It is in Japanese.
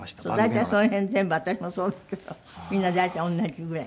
大体その辺全部私もそうだけどみんな大体同じぐらい。